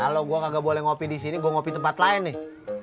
kalo gua kagak boleh ngopi disini gua ngopi tempat lain nih